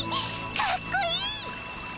かっこいい！